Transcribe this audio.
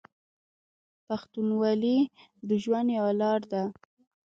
پښتونولي د ژوند یوه لار ده.